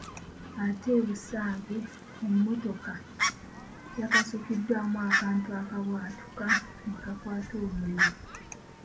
Ate e Busage emmotoka yakasukibwamu akantu akaabwatuka ne kakwata omuliro.